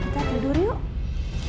syifa kita tidur yuk